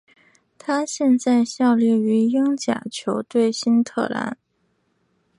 他现在效力于英甲球队新特兰。